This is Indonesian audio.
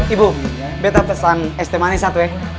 ibu aku pesan es teh manis satu ya